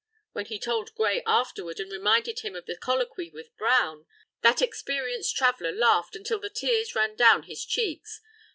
When he told Gray afterward, and reminded him of the colloquy with Brown, that experienced traveller laughed until the tears ran down his cheeks.